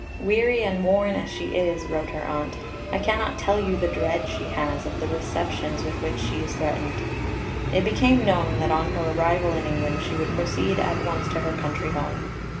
"Weary and worn as she is," wrote her aunt, "I cannot tell you the dread she has of the receptions with which she is threatened." It became known that on her arrival in England she would proceed at once to her country home.